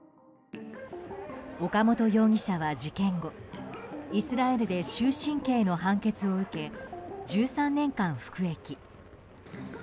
岡本容疑者は事件後イスラエルで終身刑の判決を受け１３年間服役。